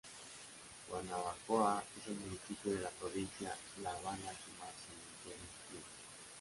Guanabacoa es el municipio de la Provincia La Habana que más cementerios tiene.